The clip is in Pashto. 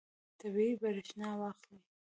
طبیعي برېښنا واخلئ.